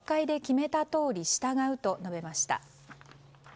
国会で決めたとおり従うと述べました。